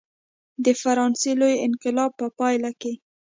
د فرانسې لوی انقلاب په پایله کې.